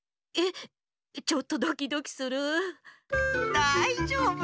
えっちょっとドキドキするう。